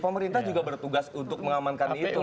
pemerintah juga bertugas untuk mengamankan itu